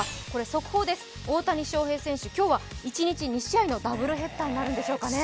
速報です、大谷翔平選手、今日は１日２試合のダブルヘッダーになるんでしょうかね。